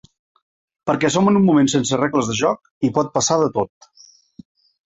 Perquè som en un moment sense regles de joc, i pot passar de tot.